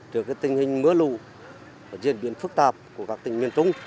trước tình hình mưa lũ diễn biến phức tạp của các tỉnh miền trung